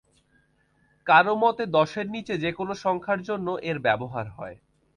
কারও মতে দশের নিচে যে কোন সংখ্যার জন্যে এর ব্যবহার হয়।